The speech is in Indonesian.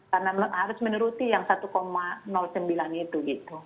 karena harus menuruti yang satu sembilan itu